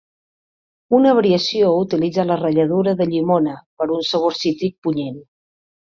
Una variació utilitza la ratlladura de llimona, per a un sabor cítric punyent.